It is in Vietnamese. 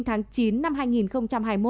tháng chín năm hai nghìn hai mươi một